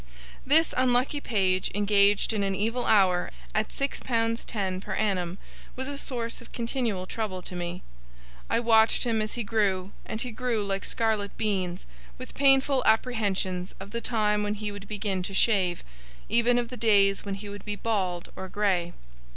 This unlucky page, engaged in an evil hour at six pounds ten per annum, was a source of continual trouble to me. I watched him as he grew and he grew like scarlet beans with painful apprehensions of the time when he would begin to shave; even of the days when he would be bald or grey.